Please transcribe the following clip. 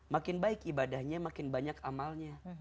makin baik ibadahnya makin banyak amalnya